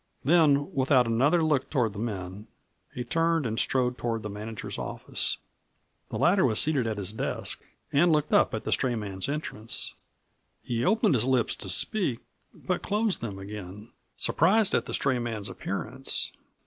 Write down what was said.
Then, without another look toward the men, he turned and strode toward the manager's office. The latter was seated at his desk and looked up at the stray man's entrance. He opened his lips to speak, but closed them again, surprised at the stray man's appearance.